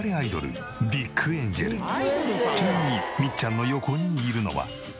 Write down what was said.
ちなみにみっちゃんの横にいるのは。